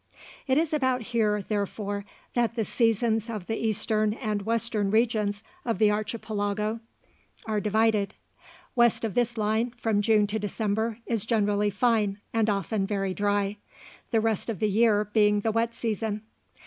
It is about here, therefore that the seasons of the eastern and western regions of the Archipelago are divided. West of this line from June to December is generally fine, and often very dry, the rest of the year being the wet season.